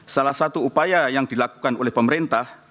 salah satu upaya yang dilakukan oleh pemerintah